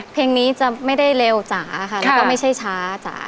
เพลงนี้จะไม่ได้เร็วจ๋าค่ะแล้วก็ไม่ใช่ช้าจ๋า